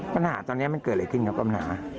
ปัญหาตอนนี้มันเกิดอะไรขึ้นครับปัญหา